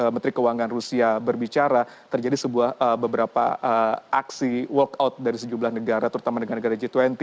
menteri keuangan rusia berbicara terjadi sebuah beberapa aksi walkout dari sejumlah negara terutama dengan negara g dua puluh